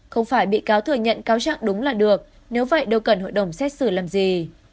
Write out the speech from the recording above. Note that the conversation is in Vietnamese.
không phải bị cáo thừa nhận cáo trạng đúng là được nếu vậy đâu cần hội đồng xét xử làm gì